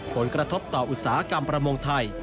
ผลกระทบต่ออุตสาหกรรมประมงไทย